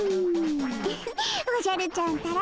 ウフッおじゃるちゃんったら。